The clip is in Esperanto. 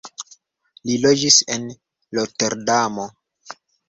Li loĝis en Roterdamo.